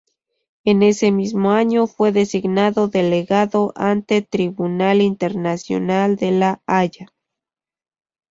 En ese mismo año fue designado delegado ante Tribunal Internacional de La Haya.